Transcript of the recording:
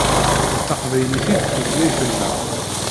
D taqbaylit i d tutlayt-nneɣ.